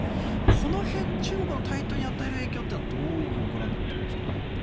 この辺、中国の台頭に与える影響というのはどうご覧になっているんですか？